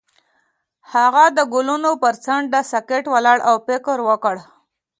هغه د ګلونه پر څنډه ساکت ولاړ او فکر وکړ.